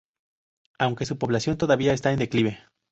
Aunque su población todavía está en declive.